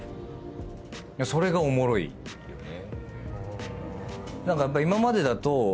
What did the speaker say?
それがおもろいよね。